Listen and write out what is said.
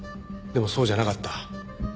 でもそうじゃなかった。